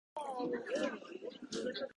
直射日光や高温の場所をさけて保管してください